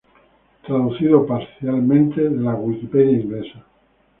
Traducido parcialmente de de la Wikipedia inglesa